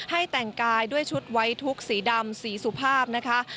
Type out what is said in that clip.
ให้แต่งกายด้วยชุดไว้ทุกข์สีดำสีสุภาพนะคะ